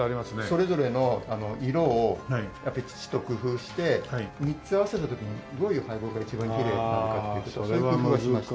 それぞれの色をやっぱりきちっと工夫して３つ合わせた時にどういう配合が一番きれいになるかっていう事をそういう工夫をしました。